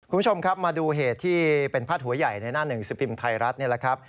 คุณผู้ชมครับมาดูเหตุที่เป็นพาดหัวใหญ่ในหน้าหนึ่งสิบพิมพ์ไทยรัฐนี่แหละครับ